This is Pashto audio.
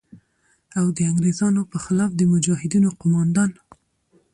او د انگریزانو په خلاف د مجاهدینو قوماندان